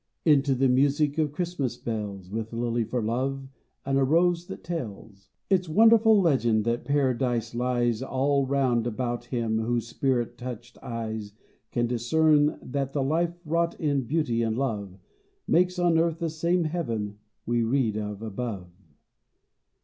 Into the music of Christmas bells, (With a lily for love and a rose that tells) Its wonderful legend that Paradise lies All round about him whose spirit touched eyes Can discern that the life wrought in beauty and love Makes on earth the same heaven we read of above, — 31 CHRISTMAS GREETING.